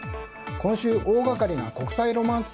今週、大掛かりな国際ロマンス